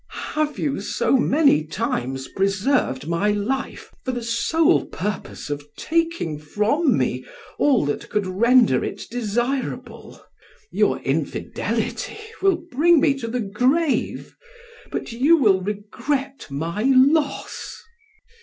Have you so many times preserved my life, for the sole purpose of taking from me all that could render it desirable? Your infidelity will bring me to the grave, but you will regret my loss!"